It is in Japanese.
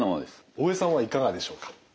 大江さんはいかがでしょうか？